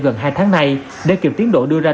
gần hai tháng này để kiệp tiến độ đưa ra